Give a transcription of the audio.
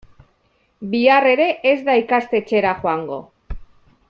Bihar ere ez da ikastetxera joango.